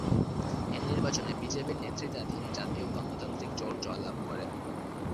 এই নির্বাচনে বিজেপির নেতৃত্বাধীন জাতীয় গণতান্ত্রিক জোট জয়লাভ করে।